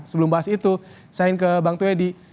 sebelum bahas itu saya ingin ke bang tuyadi